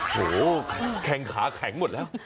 โหแข่งขาแข็งหมดแล้ว